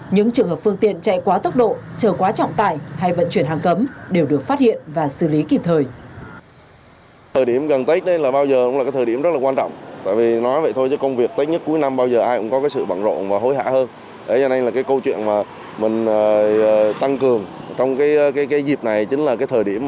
những trường hợp phương tiện chạy quá tốc độ trở quá trọng tải hay vận chuyển hàng cấm đều được phát hiện và xử lý kịp thời